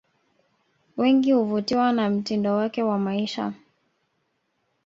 Wengi uvutiwa na mtindo wake wa maisha